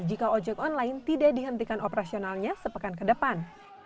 jika ojek online tidak dihentikan operasionalnya sepekan ke depan